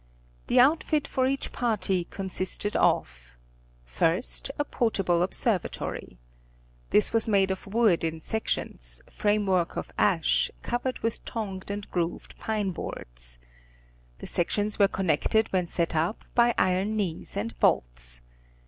The outfit for each party consisted of :—first, a portable observatory. This was made of wood in sections, framework of ash, covered with tongued and grooved pine boards. The sections were con nected when set up by iron knees and bolts.